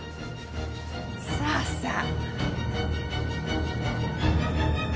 さあさあ。